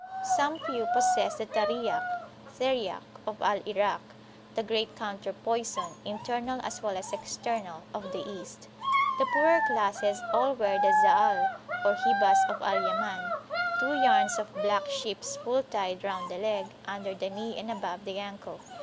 Some few possess the Tariyak (Theriack) of Al Irakthe great counter poison, internal as well as external, of the East. The poorer classes all wear the Zaal or Hibas of Al Yaman; two yarns of black sheeps wool tied round the leg, under the knee and above the ankle.